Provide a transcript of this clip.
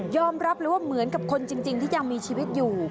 รับเลยว่าเหมือนกับคนจริงที่ยังมีชีวิตอยู่